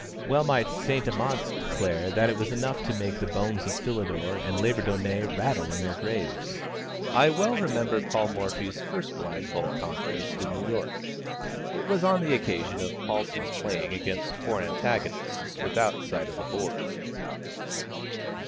Well might Saint Amant declare that it was enough to make the bones of Philidor and Labourdonnais rattle in their graves! I well remember Paul Morphy's first blindfold contest in New York. It was on the occasion of Paulsen's playing against four antagonists without sight of the board.